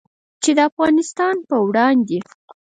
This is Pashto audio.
چې د افغانستان په وړاندې